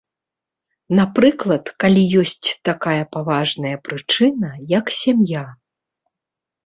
Напрыклад, калі ёсць такая паважная прычына, як сям'я.